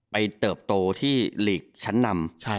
เติบโตที่ลีกชั้นนำ